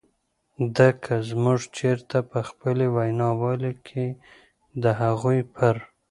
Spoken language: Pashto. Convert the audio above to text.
د که مونږ چرته په خپلې وینا والۍ کې د هغوئ پر